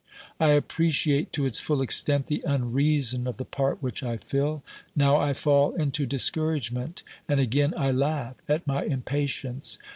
I appreciate to its full extent the unreason of the part which I fill ; now I fall into discouragement, and again I laugh at my impatience.